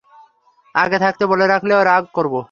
আগে থাকতে বলে রাখলেও রাগ করব।